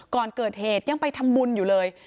ก่อนเกิดเหตุยังไปทำบุญอยู่เลย